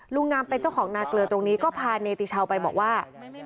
ลุงงามเป็นเจ้าของนาเกลือตรงนี้ก็พาเนติชาวไปบอกว่า